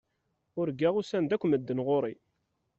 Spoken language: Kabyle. Urgaɣ usan-d akk medden ɣur-i.